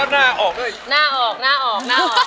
หน้าออกหน้าออกหน้าออก